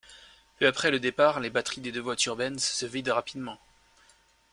Peu après le départ, les batteries des deux voitures Benz se vident rapidement.